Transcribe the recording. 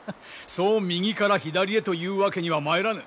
そう右から左へというわけにはまいらぬ。